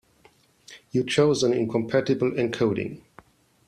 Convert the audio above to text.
You chose an incompatible encoding.